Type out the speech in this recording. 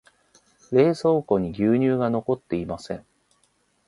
冷蔵庫に牛乳が残っていません。